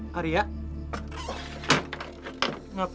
apa yang kamu buat